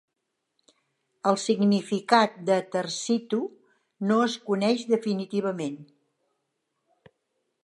El significat de "tersitu" no es coneix definitivament.